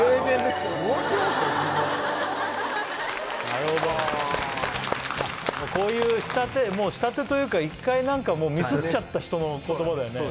・なるほどこういう下手もう下手というか一回何かもうミスっちゃった人の言葉だよね